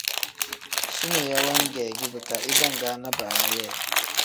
Sumeeya wengeki bika idangaana baana yee.